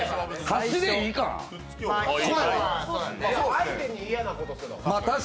相手に嫌なことすれば。